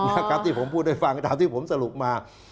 นะครับที่ผมพูดให้ฟังตามที่ผมสรุปมา